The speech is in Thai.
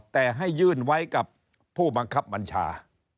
แต่ให้ยื่นไว้กับผู้บังคับบัญชา